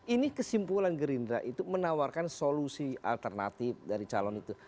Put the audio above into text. ini kesimpulan gerindra itu menawarkan solusi alternatif dari calon itu